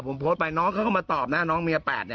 ผมโพสต์ไปน้องเขาก็มาตอบนะน้องเมีย๘เนี่ย